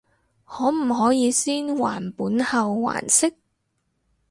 可唔可以先還本後還息？